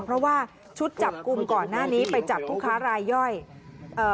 เพราะว่าชุดจับกลุ่มก่อนหน้านี้ไปจับผู้ค้ารายย่อยเอ่อ